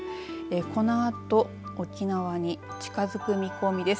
このあと沖縄に近づく見込みです。